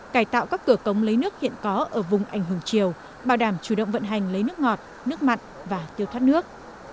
cải tạo các cửa cống lấy nước hiện có ở vùng ảnh hưởng chiều bảo đảm chủ động vận hành lấy nước ngọt nước mặn và tiêu thoát nước